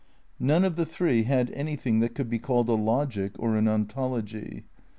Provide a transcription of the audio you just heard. None of the three had anything that could be called a logic or an ontology.